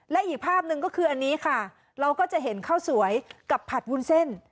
และอีกภาพหนึ่งก็คืออันนี้ค่ะเราก็จะเห็นข้าวสวยกับผัดวุ้นเส้น